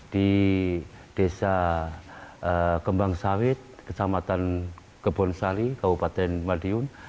di desa kembang sawit kecamatan kebun sari kabupaten madiun